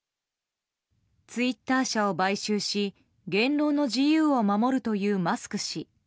ツイッター社を買収し言論の自由を守るというマスク氏。